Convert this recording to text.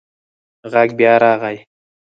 غږ بیا راغی.